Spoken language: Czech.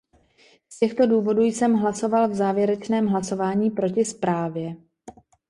Z těchto důvodů jsem hlasoval v závěrečném hlasování proti zprávě.